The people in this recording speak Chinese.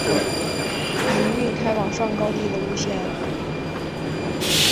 营运开往上高地的路线。